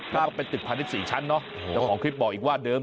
ถ้าเป็นตึกพันธุ์สี่ชั้นเนอะโอ้โหแล้วของคลิปบอกอีกว่าเดิม